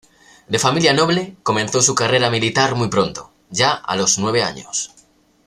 De familia noble, comenzó su carrera militar muy pronto, ya a los nueve años.